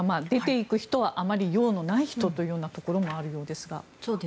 出ていく人はあまり用のない人というようなところもあるようですが。